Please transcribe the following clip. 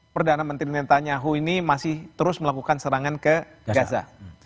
perdana menteri netanyahu ini masih terus melakukan serangan ke gaza